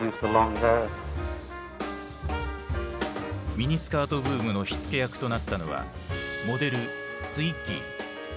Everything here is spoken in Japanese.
ミニスカートブームの火付け役となったのはモデルツイッギー。